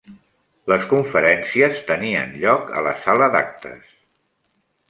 Les conferències tenien lloc a la sala d'actes.